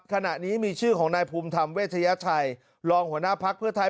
ขณะนี้มีชื่อของนายภูมิธรรมเวชยชัยรองหัวหน้าพักเพื่อไทย